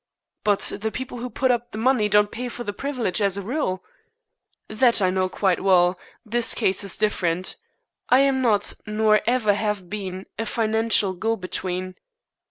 "But the people who put up the money don't pay for the privilege as a rule." "That I know quite well. This case is different. I am not, nor ever have been, a financial go between."